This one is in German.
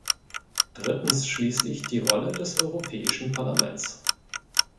Drittens schließlich die Rolle des Europäischen Parlaments.